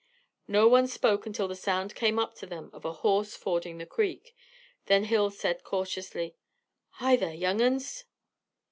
No one spoke until the sound came up to them of a horse fording the creek. Then Hill said cautiously, "Hi, there, young uns."